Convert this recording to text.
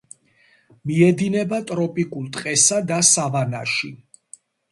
მიედინება ტროპიკულ ტყესა და სავანაში.